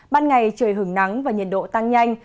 ban ngày trời hứng nắng và nhiệt độ tăng nhanh